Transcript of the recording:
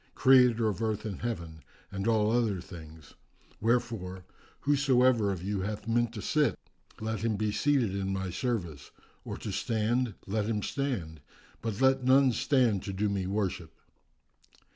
Creator of Earth and Heaven and all other things; wherefore, whosoever of you hath a mind to sit let him be seated in my service, or to stand, let him stand, but let none stand to do me worship."